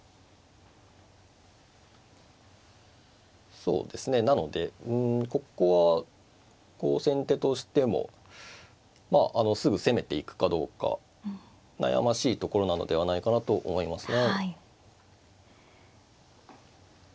そうですねなのでうんここは先手としてもまあすぐ攻めていくかどうか悩ましいところなのではないかなと思いますね。